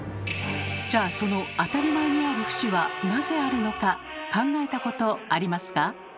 じゃあその当たり前にある節はなぜあるのか考えたことありますか？